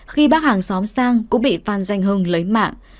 khi bác hàng xóm sang cũng bị phan danh hưng lấy mạng